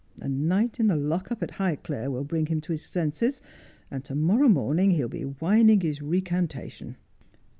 A night in the lock up at Highclere will bring him to his senses, and to morrow morning he will be whining his recantation.'